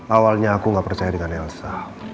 awalnya aku nggak percaya dengan elsa